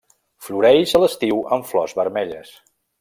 Floreix a l'estiu amb flors vermelles.